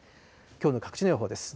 きょうの各地の予報です。